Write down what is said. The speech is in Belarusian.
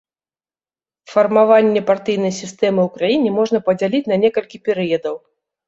Фармаванне партыйнай сістэмы ў краіне можна падзяліць на некалькі перыядаў.